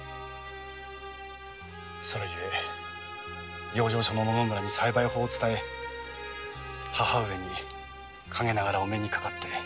それ故養生所の野々村に栽培法を伝え母上に陰ながらお目にかかって再び旅に。